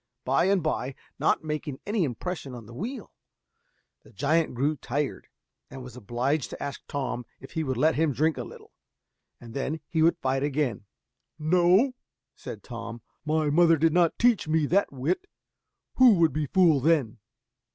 By and by, not making any impression on the wheel, the giant grew tired, and was obliged to ask Tom if he would let him drink a little, and then he would fight again. "No," said Tom, "my mother did not teach me that wit: who would be fool then?"